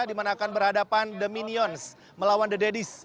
di mana akan berhadapan the minions melawan the daddies